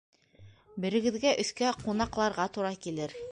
Берегеҙгә өҫкә ҡунаҡларға тура килер.